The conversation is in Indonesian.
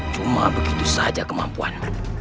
cuma begitu saja kemampuan